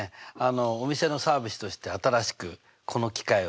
お店のサービスとして新しくこの機械を設置しました。